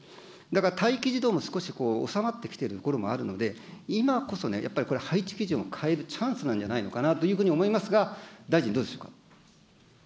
だから待機児童も少し収まってきているところもあるので、今こそね、やっぱりこれ、配置基準を変えるチャンスなんじゃないかなと思いますが、大臣、どうでしょうか。